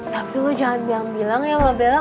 tapi lo jangan bilang ya sama bella